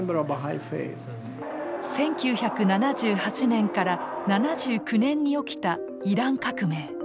１９７８年から７９年に起きたイラン革命。